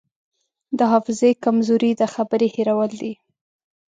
د حافظې کمزوري د خبرې هېرول دي.